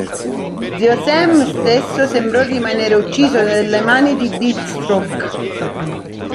Zio Sam stesso sembrò rimanere ucciso dalle mani di Deathstroke.